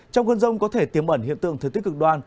trong cơn rông có thể tiếm ẩn hiện tượng thừa tiết cực đoan